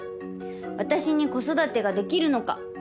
「私に子育てができるのか」